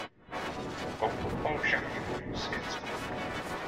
Komponoval však i hudbu světskou.